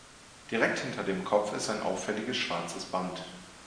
Direkt hinter dem Kopf ist ein auffälliges schwarzes Band.